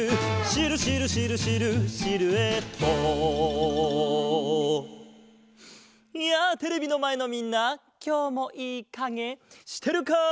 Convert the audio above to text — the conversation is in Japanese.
「シルシルシルシルシルエット」やあテレビのまえのみんなきょうもいいかげしてるか？